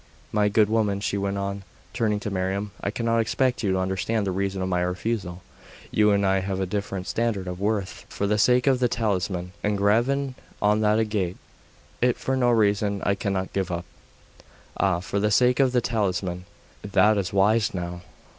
My good woman,' she went on, turning to Miriam, 'I cannot expect you to understand the reason of my refusal. You and I have a different standard of worth. But for the sake of the talisman engraven on that agate, if for no other reason, I cannot give it up.' 'Ah! for the sake of the talisman! That is wise, now!